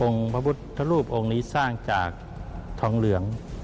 พระพุทธรูปองค์นี้สร้างจากทองเหลือง